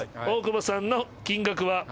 大久保さんの金額は。